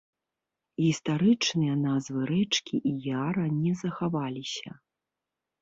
Гістарычныя назвы рэчкі і яра не захаваліся.